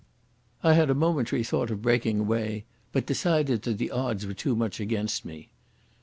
I had a momentary thought of breaking away, but decided that the odds were too much against me.